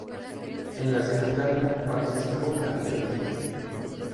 En la secundaria, participó en atletismo.